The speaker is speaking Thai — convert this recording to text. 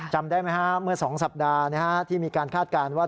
จำได้ไหมฮะเมื่อ๒สัปดาห์ที่มีการคาดการณ์ว่า